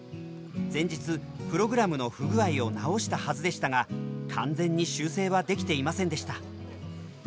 前日プログラムの不具合を直したはずでしたが完全に修正はできていませんでした。